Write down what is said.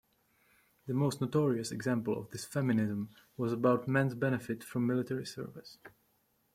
The most notorious example of this feminism was about men's benefit from military service.